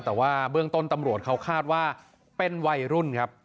แต่ว่าเบื้องต้นตำรวจเขาคาดว่าเป็นวัยรุ่นครับ